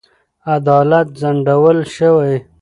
عدالت ځنډول شوی.